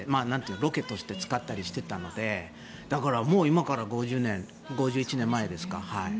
ロケとして使ったりしていたのでだから、今から５０年５１年前ですか。